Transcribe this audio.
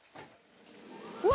うわ！